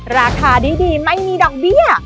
ราคาดีไม่มีดอกเบี้ย